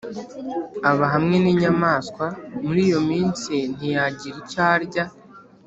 , aba hamwe n’inyamaswa.” “Mur’iyo minsi ntiyagira icyo arya